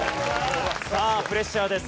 さあプレッシャーです。